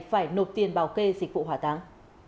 phải nộp tiền vào kê dịch vụ hỏa táng